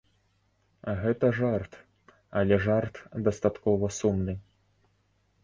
Гэта жарт, але жарт дастаткова сумны.